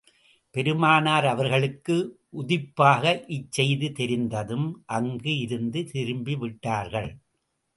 பெருமானார் அவர்களுக்கு உதிப்பாக இச்செய்தி தெரிந்ததும் அங்கு இருந்து திரும்பி விட்டார்கள்.